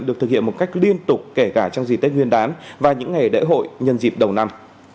được thực hiện một cách liên tục kể cả trong dịp tết nguyên đán và những ngày lễ hội nhân dịp đầu năm